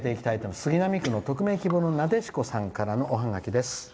杉並区の匿名希望のなでしこさんからのおはがきです。